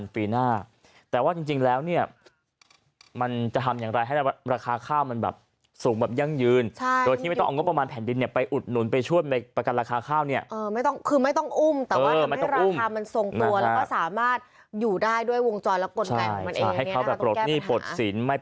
ไปถึงเดือนกว่าป